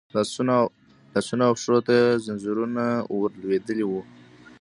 لاسونو او پښو ته يې ځنځيرونه ور لوېدلي وو.